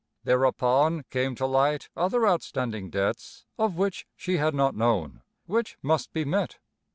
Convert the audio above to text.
Thereupon came to light other outstanding debts of which she had not known which must be met.